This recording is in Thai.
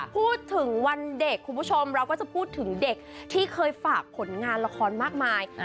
พูดถึงวันเด็กคุณผู้ชมเราก็จะพูดถึงเด็กที่เคยฝากผลงานละครมากมาย